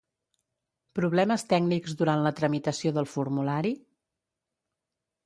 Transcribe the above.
Problemes tècnics durant la tramitació del formulari?